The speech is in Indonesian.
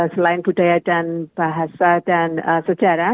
selain budaya dan bahasa dan sejarah